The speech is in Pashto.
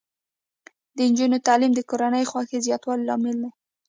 د نجونو تعلیم د کورنۍ خوښۍ زیاتولو لامل دی.